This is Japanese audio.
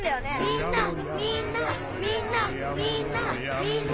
みんなみんなみんなみんなみんな！